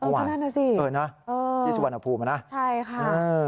อ๋อก็นั่นน่ะสิเออนะที่สุวรรณภูมินะใช่ค่ะ